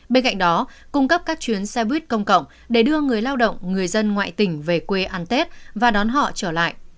bên cạnh đó cung cấp các chuyến xe buýt công cộng để đưa người lao động người dân ngoại tỉnh về quê ăn tết và đón họ trở lại